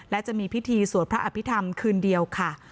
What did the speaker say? และจะมีพิธีสวดพระอภิษฐรรมคืนเดียวค่ะ